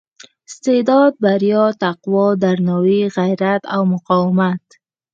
استعداد بریا تقوا درناوي غیرت او مقاومت.